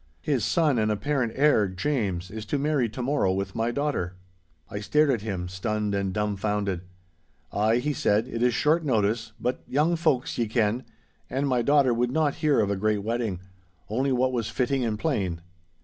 His son and apparent heir, James, is to marry to morrow with my daughter.' I stared at him, stunned and dumbfounded. 'Ay,' he said, 'it is short notice, but young folks, ye ken—and my daughter would not hear of a great wedding; only what was fitting and plain.